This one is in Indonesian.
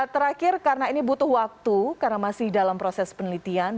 terakhir karena ini butuh waktu karena masih dalam proses penelitian